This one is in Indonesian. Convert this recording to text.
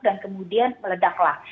dan kemudian meledaklah